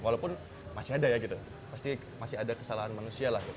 walaupun masih ada ya gitu pasti masih ada kesalahan manusia lah